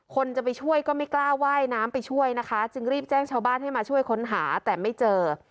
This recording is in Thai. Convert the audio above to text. คนจะไปช่วยก็ไม่กล้าว่ายน้ำไปช่วยนะคะจึงรีบแจ้งชาวบ้านให้มาช่วยค้นหาแต่ไม่เจอ